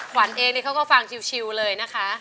ขวัญเองนี่เขาก็ฟังชิวเลยนะคะ